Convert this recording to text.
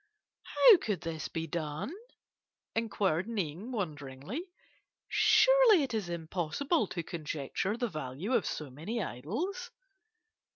"'How could this be done?' inquired Ning wonderingly. 'Surely it is impossible to conjecture the value of so many idols.